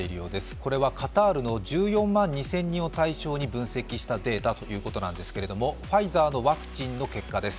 これはカタールの１４万２０００人を対象に分析したデータということなんですがファイザーのワクチンの結果です。